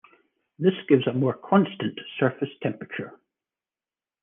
This gives a more constant surface temperature.